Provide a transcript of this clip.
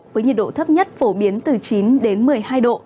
với nhiệt độ thấp nhất phổ biến từ chín đến một mươi hai độ